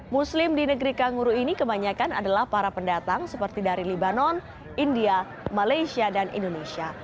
muslim di negeri kanguru ini kebanyakan adalah para pendatang seperti dari libanon india malaysia dan indonesia